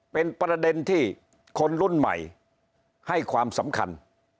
เป็นประเด็นที่คนรุ่นใหม่ให้ความสำคัญ